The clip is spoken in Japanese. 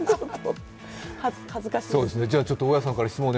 恥ずかしいです。